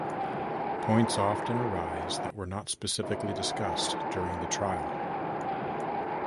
Points often arise that were not specifically discussed during the trial.